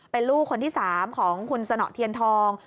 เป็นลูกคนที่๓ของคุณสนเทียนทอง